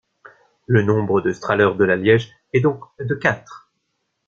Le nombre de Strahler de la Liège est donc de quatre.